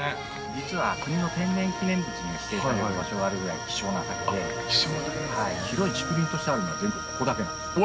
◆実は、国の天然記念物に指定される場所があるぐらい希少な竹で、広い竹林としてあるのは全国でここだけなんです。